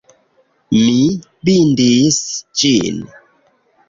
Mi bindis ĝin!